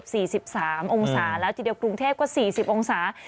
เกือบ๔๓องศาแล้วที่เดียวกรุงเทพก็๔๐องศา